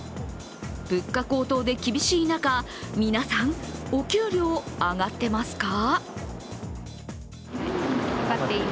物価高騰で厳しい中、皆さん、お給料、上がっていますか？